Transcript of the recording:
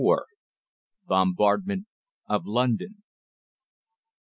BOMBARDMENT OF LONDON.